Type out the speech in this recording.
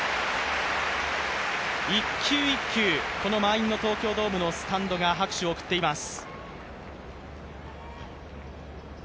一球一球、この満員の東京ドームのスタンドが拍手を送っています。